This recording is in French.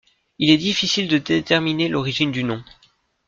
Il est difficile de déterminer l'origine du nom.